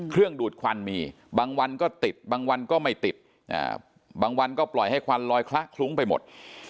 ดูดควันมีบางวันก็ติดบางวันก็ไม่ติดบางวันก็ปล่อยให้ควันลอยคละคลุ้งไปหมด